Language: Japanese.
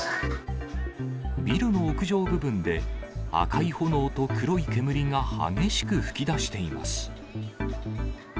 ビルの屋上部分で、赤い炎と黒い煙が激しく噴き出しています。